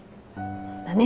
だね。